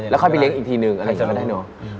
แล้วค่อยไปเลี้ยงอีกทีหนึ่งอะไรอย่างนี้ก็ได้เนอะ